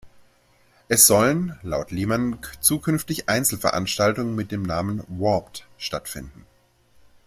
Es sollen, laut Lyman, zukünftig Einzelveranstaltungen mit dem Namen "Warped" stattfinden.